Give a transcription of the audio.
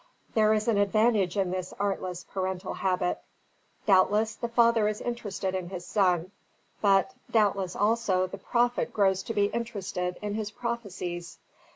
There is an advantage in this artless parental habit. Doubtless the father is interested in his son; but doubtless also the prophet grows to be interested in his prophecies.